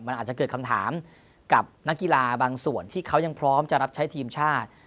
มันอาจจะเกิดคำถามกับนักกีฬาบางส่วนที่เขายังพร้อมจะรับใช้ทีมชาติ